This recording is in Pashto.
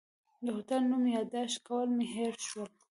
د هوټل نوم یاداښت کول مې هېر شول.